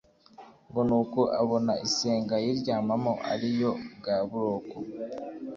ngo ni uko abona isenga ayiryamamo ariyo bwa buroko,